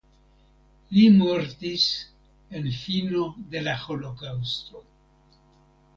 Li mortis en fino de la holokaŭsto.